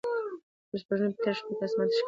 سپوږمۍ په تیاره شپه کې اسمان ته ښکلا بښلې ده.